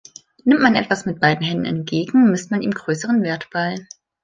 Nimmt man etwas mit beiden Händen entgegen, misst man ihm größeren Wert bei.